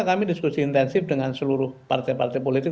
kami diskusi intensif dengan seluruh partai partai politik